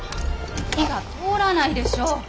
火が通らないでしょう。